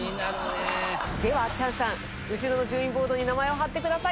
チャンさん後ろの順位ボードに名前を貼ってください。